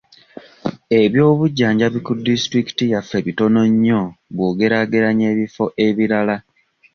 Ebyobujjanjabi ku disitulikiti yaffe bitono nnyo bw'ogeraageranya ebifo ebirala.